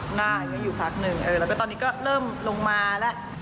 หน้าก็อยู่พักหนึ่งแล้วก็ตอนนี้ก็เริ่มลงมาแล้ว